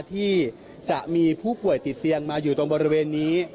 ที่จะมีผู้ป่วยติดเตียงมาอยู่ตรงบริเวณนี้